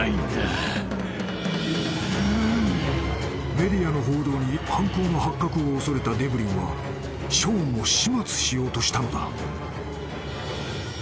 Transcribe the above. ［メディアの報道に犯行の発覚を恐れたデブリンはショーンを始末しようとしたのだ］